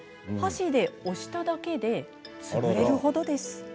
箸で押しただけで潰れるほどです。